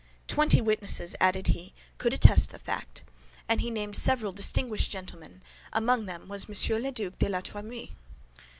"Twenty witnesses," added he, "could attest the fact"; and he named several distinguished gentlemen, and among them was M. le Duc de la Trémouille.